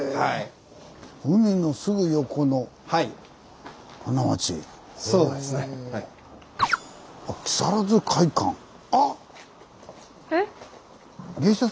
海のすぐ横の花街。え？